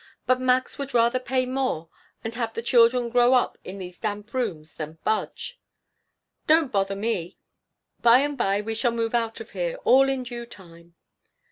But Max would rather pay more and have the children grow in these damp rooms than budge." "Don't bother me. By and by we shall move out of here. All in due time.